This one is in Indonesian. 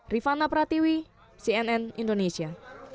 rifana pratiwi cnn indonesia